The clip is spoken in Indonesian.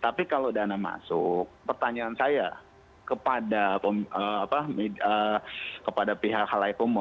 tapi kalau dana masuk pertanyaan saya kepada pihak halayak umum